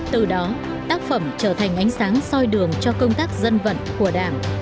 từ đó tác phẩm trở thành ánh sáng soi đường cho công tác dân vận của đảng